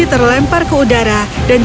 kau harus menangguhkan diri